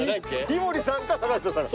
井森さんか坂下さん。